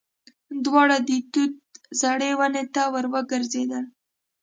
دواړه د توت زړې ونې ته ور وګرځېدل.